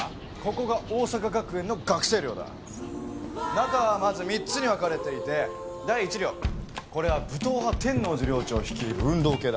中はまず３つに分かれていて第一寮これは武闘派天王寺寮長率いる運動系だ。